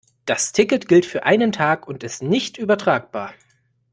Das Ticket gilt für einen Tag und ist nicht übertragbar.